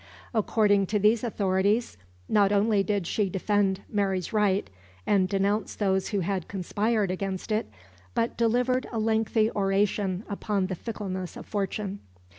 According to these authorities, not only did she defend Mary's right, and denounce those who had conspired against it, but delivered a lengthy oration upon the fickleness of fortune.